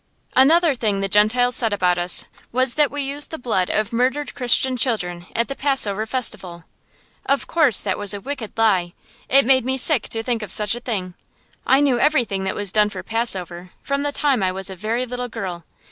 Another thing the Gentiles said about us was that we used the blood of murdered Christian children at the Passover festival. Of course that was a wicked lie. It made me sick to think of such a thing. I knew everything that was done for Passover, from the time I was a very little girl.